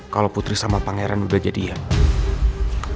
kalau putri sama pangeran udah jadi yang